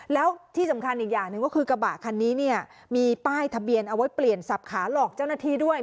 แล้วที่สำคัญอีกอย่างหนึ่งก็คือกระบะคันนี้เนี่ยมีป้ายทะเบียนเอาไว้เปลี่ยนสับขาหลอกเจ้าหน้าที่ด้วย